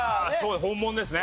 本物ですね。